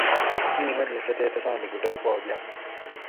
ایں منی سہ تے تساۤں لوکوٹور پا گاۤ